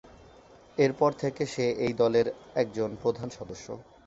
এরপর থেকে সে এই দলের একজন প্রধান সদস্য।